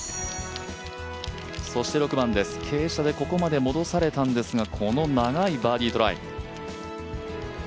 ６番です、傾斜でここまで戻されたんですが、この長いバーディートライ。